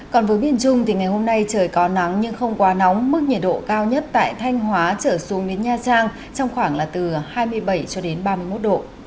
còn với miền trung thì ngày hôm nay trời có nắng nhưng không quá nóng mức nhiệt độ cao nhất tại thanh hóa trở xuống đến nha trang trong khoảng là từ hai mươi bảy cho đến ba mươi một độ